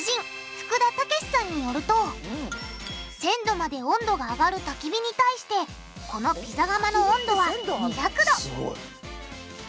福田岳志さんによると１０００℃まで温度が上がるたき火に対してこのピザ窯の温度は２００℃！